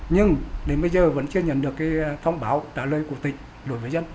nhưng đến bây giờ vẫn chưa nhận được thông báo đả lời cụ tịch đối với dân